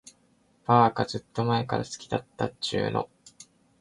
ばーか、ずーっと前から好きだっちゅーの。